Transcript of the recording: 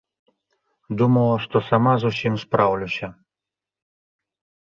Думала, што сама з усім спраўлюся.